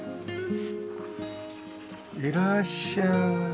いらっしゃい。